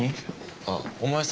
あっお前さ